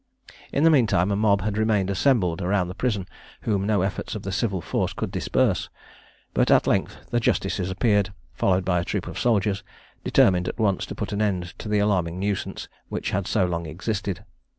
In the mean time a mob had remained assembled round the prison whom no efforts of the civil force could disperse; but at length the justices appeared, followed by a troop of soldiers, determined at once to put an end to the alarming nuisance which had so long existed.